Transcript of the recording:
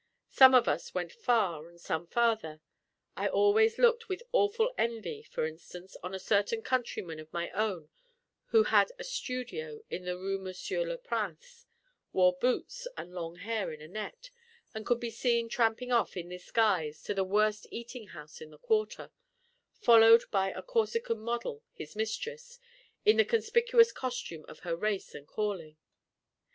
Some of us went far, and some farther. I always looked with awful envy (for instance) on a certain countryman of my own who had a studio in the Rue Monsieur le Prince, wore boots, and long hair in a net, and could be seen tramping off, in this guise, to the worst eating house of the quarter, followed by a Corsican model, his mistress, in the conspicuous costume of her race and calling.